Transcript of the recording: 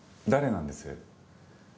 誰なんです？